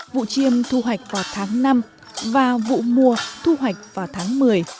vụ chiêm thu hoạch vào tháng năm và vụ mùa thu hoạch vào tháng một mươi